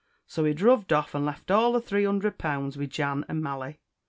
_" So he druv'd off, and left all the three hunderd pounds with Jan and Mally.